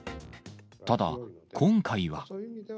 ただ、今回は。